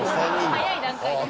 早い段階ですね。